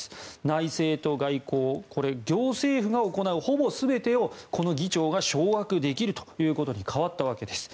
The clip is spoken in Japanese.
内政と外交行政府が行うほぼ全てをこの議長が掌握できるということに変わったわけです。